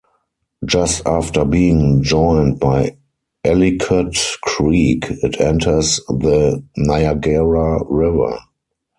Just after being joined by Ellicott Creek, it enters the Niagara River.